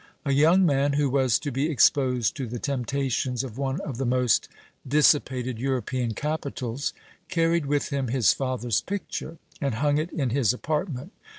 A young man, who was to be exposed to the temptations of one of the most dissipated European capitals, carried with him his father's picture, and hung it in his apartment.